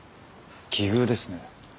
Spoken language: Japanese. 奇遇ですね。